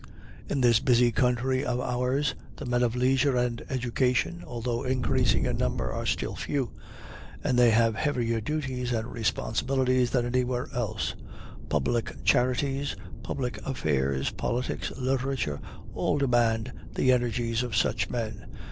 In this busy country of ours, the men of leisure and education, although increasing in number, are still few, and they have heavier duties and responsibilities than anywhere else. Public charities, public affairs, politics, literature, all demand the energies of such men.